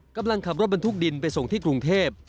กำลังขับรถบรรทุกดินไปส่งที่กรุงเทพ